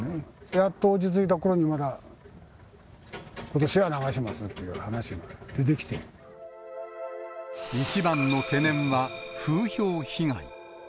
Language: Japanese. やっと落ち着いたころにまた、ことしは流しますっていう話が出一番の懸念は風評被害。